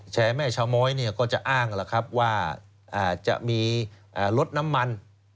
แชร์แม่ชะม้อยก็จะอ้างว่าจะมีลดน้ำมัน